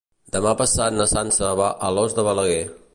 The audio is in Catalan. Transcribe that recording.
Demà passat na Sança va a Alòs de Balaguer.